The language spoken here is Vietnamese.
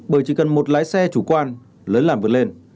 bởi chỉ cần một lái xe chủ quan lớn làm vượt lên